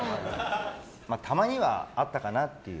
たまにはあったかなっていう。